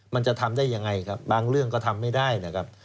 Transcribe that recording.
มันจะทำได้ยังไงครับบางเรื่องก็ทำไม่ได้นะครับ